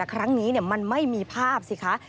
ครั้งนี้มันไม่มีภาพสิคะ